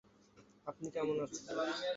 আপনি কেমন আছেন?